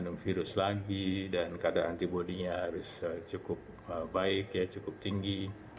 minum virus lagi dan kadar antibody nya harus cukup baik cukup tinggi